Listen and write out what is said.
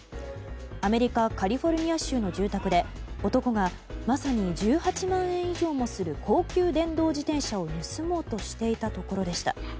アメリカ・カリフォルニア州の住宅で男がまさに１８万円以上もする高級電動自転車を盗もうとしていたところでした。